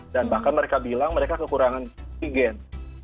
dan bahkan mereka bilang mereka kekurangan tigen